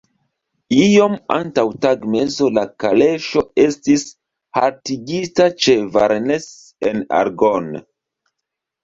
Iom antaŭ tagmezo la kaleŝo estis haltigita ĉe Varennes-en-Argonne.